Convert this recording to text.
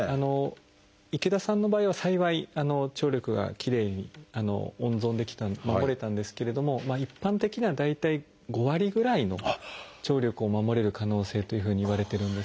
池田さんの場合は幸い聴力がきれいに温存できた守れたんですけれども一般的には大体５割ぐらいの聴力を守れる可能性というふうにいわれてるんです。